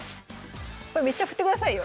めっちゃ振ってくださいよ。